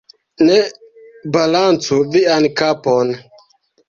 Ne balancu vian kapon.